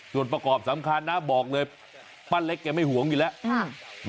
ส่วนประกอบสำคัญนะบอกเลยป้าเล็กแกไม่ห่วงอยู่แล้ว